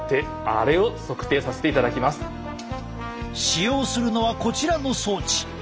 使用するのはこちらの装置。